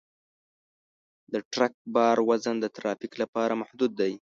د ټرک بار وزن د ترافیک لپاره محدود دی.